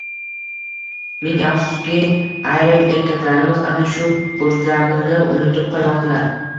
Ming afsuski ayrim eraklarimiz ana shu burchlarini unutib qo‘ymoqdalar